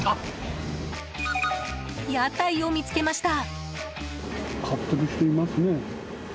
屋台を見つけました。